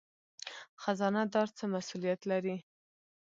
خزانه دار څه مسوولیت لري؟